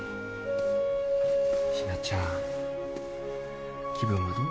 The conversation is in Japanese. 日菜ちゃん気分はどう？